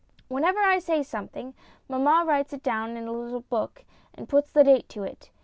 Whenever I say something, mamma writes it down in a little book, and puts the date to it.